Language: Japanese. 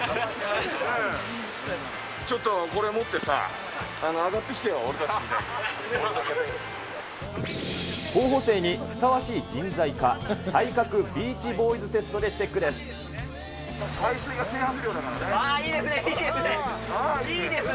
ちょっと、これ持ってさ、候補生にふさわしい人材か、体格ビーチボーイズテストでチェックです。